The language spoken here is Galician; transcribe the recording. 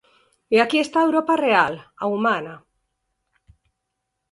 E aquí está a Europa real, a humana.